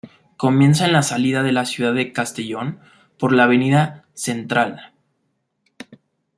Comienza en la salida de la ciudad de Castellón por la Avenida Ctra.